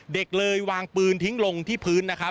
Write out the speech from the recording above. เด็กเลยวางปืนทิ้งลงที่พื้น